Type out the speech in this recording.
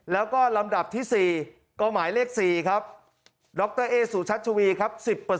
แล้วก็ลำดับที่๔ก็หมายเลข๔ครับดรเอ๊สุชัชวีครับ๑๐